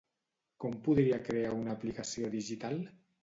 Com podria crear una aplicació digital?